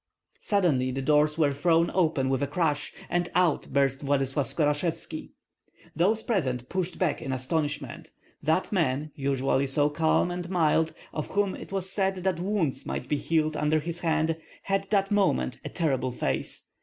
Suddenly the doors wore thrown open with a crash, and out burst Vladyslav Skorashevski. Those present pushed back in astonishment. That man, usually so calm and mild, of whom it was said that wounds might be healed under his hand, had that moment a terrible face.